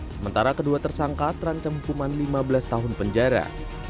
sementara kedua tersangka terancam hukuman lima belas tahun penjara